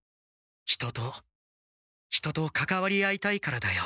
人と人とかかわり合いたいからだよ。